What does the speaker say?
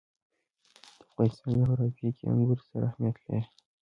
د افغانستان جغرافیه کې انګور ستر اهمیت لري.